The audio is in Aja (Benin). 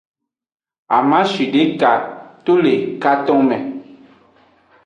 Amashideke to le katonme.